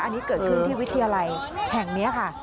อันนี้เกิดขึ้นที่วิทยาลัยแห่งนี้ค่ะ